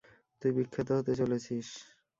তুই বিখ্যাত হতে চলেছিস!